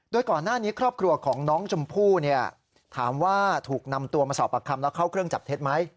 โดยก่อนหน้านี้ครอบครัวของน้องชมพู่ถามว่าถูกนำตัวมาสอบปากคำแล้วเข้าเครื่องจับเท็จไหม